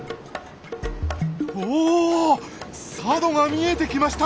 おおっ佐渡が見えてきました！